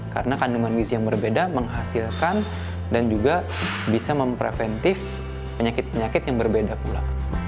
karena kandungan wis yang berbeda menghasilkan dan juga bisa mempreventif penyakit penyakit yang berbeda pula